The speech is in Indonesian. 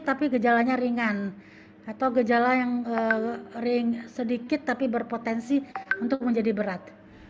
tapi gejalanya ringan atau gejala yang sedikit tapi berpotensi untuk menjadi berat